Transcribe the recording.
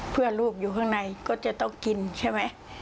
เพื่อลูกอยู่ข้างในก็จะต้องกินใช่ไหม